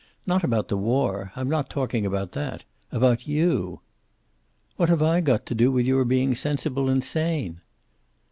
Not about the war. I'm not talking about that. About you." "What have I got to do with your being sensible and sane?"